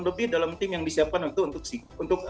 lebih dalam tim yang disiapkan untuk